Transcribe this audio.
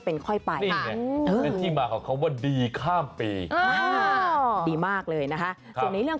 เป็นค่อยไปเป็นที่มาของเขาว่าดีข้ามปีดีมากเลยนะคะส่วนนี้เรื่อง